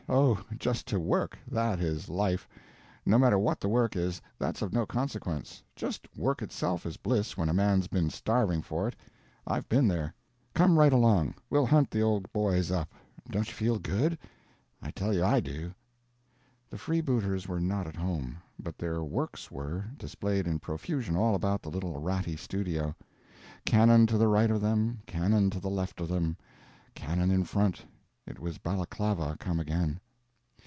Oh, just to work—that is life! No matter what the work is—that's of no consequence. Just work itself is bliss when a man's been starving for it. I've been there! Come right along; we'll hunt the old boys up. Don't you feel good? I tell you I do." The freebooters were not at home. But their "works" were, displayed in profusion all about the little ratty studio. Cannon to the right of them, cannon to the left of them, cannon in front—it was Balaclava come again.